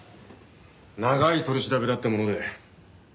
長い取り調べだったもので。